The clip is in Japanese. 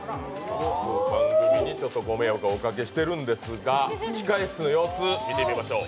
各番組にご迷惑をおかけしているんですが控え室の様子、見てみましょう。